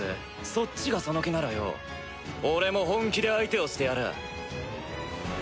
そっちがその気ならよ俺も本気で相手をしてやらぁ！